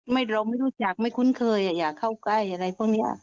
เราไม่รู้จักไม่คุ้นเคยอยากเข้าใกล้อะไรพวกนี้